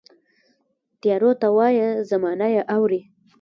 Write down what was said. تیارو ته وایه، زمانه یې اورې